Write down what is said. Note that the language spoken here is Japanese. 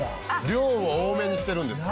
「量を多めにしてるんです」